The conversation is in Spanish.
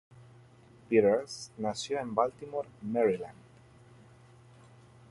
Peters nació en Baltimore, Maryland.